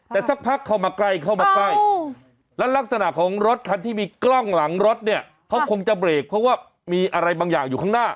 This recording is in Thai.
แต่สักพักเข้ามาใกล้เข้ามาใกล้แล้วลักษณะของรถคันที่มีกล้องหลังรถเนี่ยเขาคงจะเบรกเพราะว่ามีอะไรบางอย่างอยู่ข้างหน้า